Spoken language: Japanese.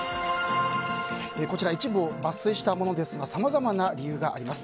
一部抜粋したものですがさまざまな理由があります。